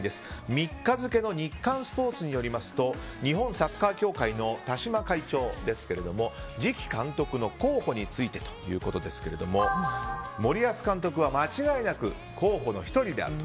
３日付の日刊スポーツによりますと日本サッカー協会の田嶋会長ですが次期監督の候補について森保監督は間違いなく候補の１人であると。